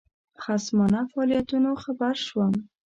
خصمانه فعالیتونو خبر شو.